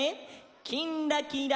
「きんらきら」。